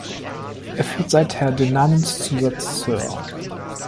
Er führt seither den Namenszusatz „Sir“.